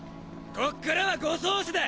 こっからは護送車だ！